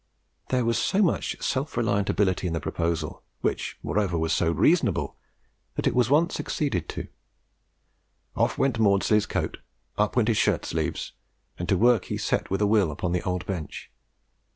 There was so much self reliant ability in the proposal, which was moreover so reasonable, that it was at once acceded to. Off went Maudslay's coat, up went his shirt sleeves, and to work he set with a will upon the old bench.